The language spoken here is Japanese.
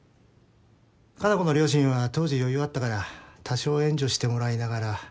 加奈子の両親は当時余裕あったから多少援助してもらいながら。